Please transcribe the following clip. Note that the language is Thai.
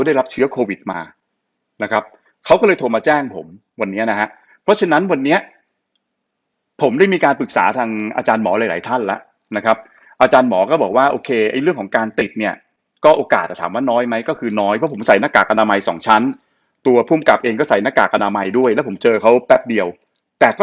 ได้รับเชื้อโควิดมานะครับเขาก็เลยโทรมาแจ้งผมวันนี้นะฮะเพราะฉะนั้นวันนี้ผมได้มีการปรึกษาทางอาจารย์หมอหลายหลายท่านแล้วนะครับอาจารย์หมอก็บอกว่าโอเคไอ้เรื่องของการติดเนี่ยก็โอกาสจะถามว่าน้อยไหมก็คือน้อยเพราะผมใส่หน้ากากอนามัยสองชั้นตัวภูมิกับเองก็ใส่หน้ากากอนามัยด้วยแล้วผมเจอเขาแป๊บเดียวแต่ก็